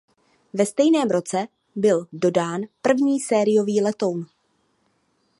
Ve stejném roce byl dodán první sériový letoun.